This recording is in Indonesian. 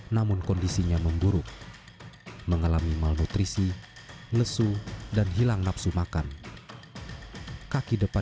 harimau ini berhasil diperangkap dua pekan kemudian